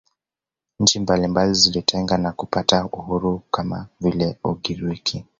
Nchi mbalimbali zilijitenga na kupata uhuru kama vile Ugiriki